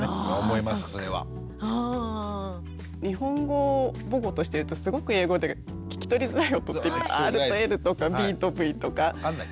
日本語を母語としてるとすごく英語って聞き取りづらい音ってＲとＬとかＢとＶとか。分かんない。